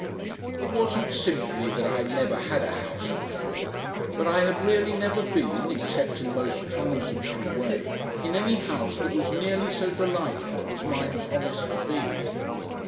It wasn't simply that I had never had a house before, but I had really never been, except in the most transitory way, in any house that was nearly so delightful as mine promised to be.